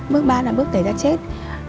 bước ba là bước tẩy da chết